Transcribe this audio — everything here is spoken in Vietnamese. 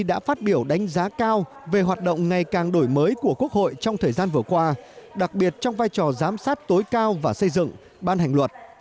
đã phát biểu đánh giá cao về hoạt động ngày càng đổi mới của quốc hội trong thời gian vừa qua đặc biệt trong vai trò giám sát tối cao và xây dựng ban hành luật